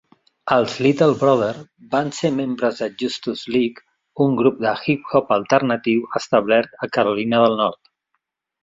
Els Little Brother van ser membres de Justus League, un grup de hip-hop alternatiu establert a Carolina del Nord.